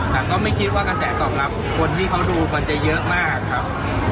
แต่ก็ไม่คิดว่ากระแสตอบรับคนที่เขาดูมันจะเยอะมากครับ